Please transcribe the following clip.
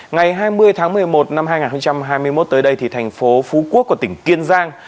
ngày hai mươi tháng một mươi một năm hai nghìn hai mươi một tới đây thì thành phố phú quốc của tỉnh kiên giang